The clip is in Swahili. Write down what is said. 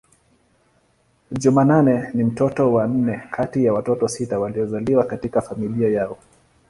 Jumanne ni mtoto wa nne kati ya watoto sita waliozaliwa katika familia yao.